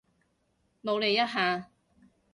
努力一下